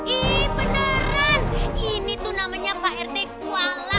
eh beneran ini tuh namanya pak rt kuala